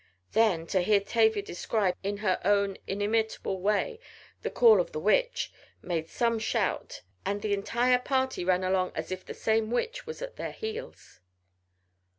Then to hear Tavia describe, in her own inimitable way, the call of "the witch" made some shout, ad the entire party ran along as if the same "witch" was at their heels.